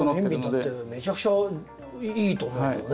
めちゃくちゃいいと思うけどね。